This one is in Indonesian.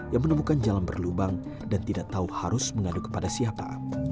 yang menemukan jalan berlubang dan tidak tahu harus mengadu kepada siapa